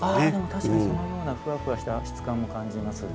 確かに、そのようなふわふわした質感も感じます。